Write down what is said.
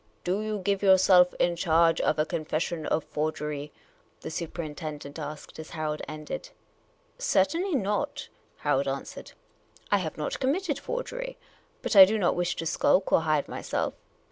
" Do you give yourself in charge on a confession of forgery?" the superintendent asked, as Harold ended. " Certainly not," Harold answered. " I have not com mitted forgery. But I do not wish to skulk or hide myself.